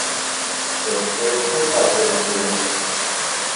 Let's play it safe out there, kids.